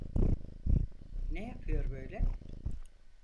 Ne yapıyor böyle?